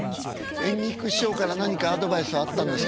圓菊師匠から何かアドバイスはあったんですか？